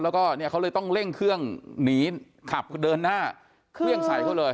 แล้วก็เนี่ยเขาเลยต้องเร่งเครื่องหนีขับเดินหน้าเครื่องใส่เขาเลย